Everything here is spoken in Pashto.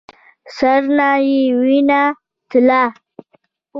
سر نه يې وينه تله.